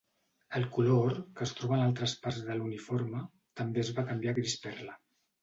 El color or que es troba en altres parts de l'uniforme també es va canviar a gris perla.